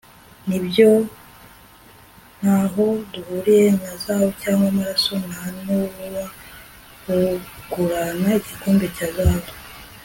ni byo, nta ho buhuriye na zahabu cyangwa amasaro, nta n'uwabugurana igikombe cya zahabu